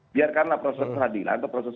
biarkanlah proses peradilan atau proses